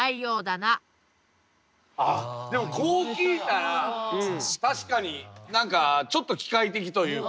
あっでもこう聞いたら確かに何かちょっと機械的というか。